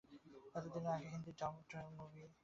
এতদিন আগের Hindi dubbed movie তুলে নেয়া!